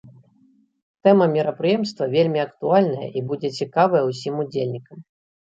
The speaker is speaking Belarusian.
Тэма мерапрыемства вельмі актуальная і будзе цікавая ўсім удзельнікам.